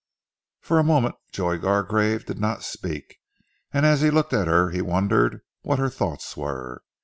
For a moment Joy Gargrave did not speak, and as he looked at her he wondered what her thoughts were.